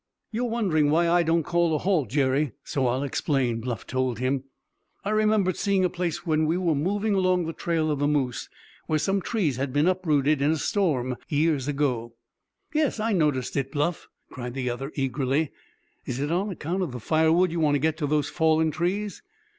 "You're wondering why I don't call a halt, Jerry, so I'll explain," Bluff told him. "I remembered seeing a place when we were moving along the trail of the moose where some trees had been uprooted in a storm years ago." "Yes, I noticed it, Bluff!" cried the other eagerly. "Is it on account of the firewood you want to get to those fallen trees?"